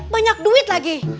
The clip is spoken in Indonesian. banyak duit lagi